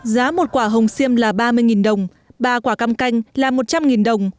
giá một quả hồng xiêm là ba mươi đồng ba quả cam canh là một trăm linh đồng